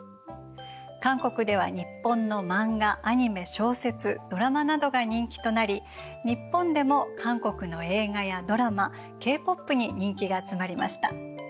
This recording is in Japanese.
韓国では日本の漫画アニメ小説ドラマなどが人気となり日本でも韓国の映画やドラマＫ−ＰＯＰに人気が集まりました。